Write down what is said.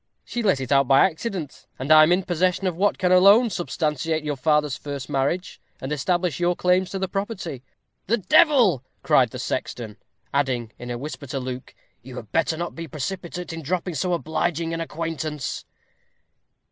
She let it out by accident; and I am in possession of what can alone substantiate your father's first marriage, and establish your claims to the property." "The devil!" cried the sexton; adding, in a whisper to Luke, "You had better not be precipitate in dropping so obliging an acquaintance."